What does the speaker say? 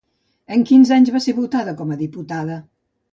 En quins anys va ser votada com a diputada?